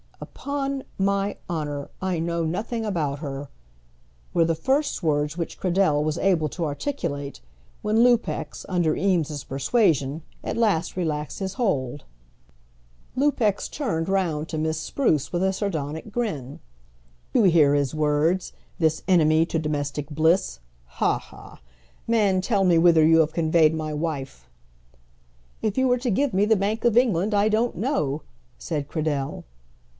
"Upon my honour I know nothing about her," were the first words which Cradell was able to articulate, when Lupex, under Eames's persuasion, at last relaxed his hold. Lupex turned round to Miss Spruce with a sardonic grin. "You hear his words, this enemy to domestic bliss, Ha, ha! man, tell me whither you have conveyed my wife!" "If you were to give me the Bank of England I don't know," said Cradell.